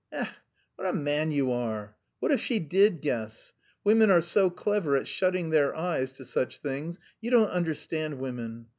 Ech, what a man you are! What if she did guess? Women are so clever at shutting their eyes to such things, you don't understand women!